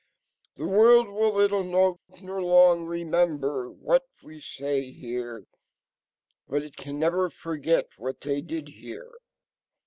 The world will little note, nor long remember, what we say here, but it can never forget what they did here.